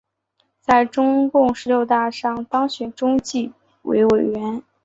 在中共十六大上当选中纪委委员。